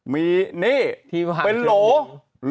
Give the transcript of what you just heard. มีนี่เป็นโหล